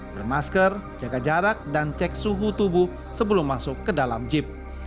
bermasker jaga jarak dan cek suhu tubuh sebelum masuk ke dalam jeep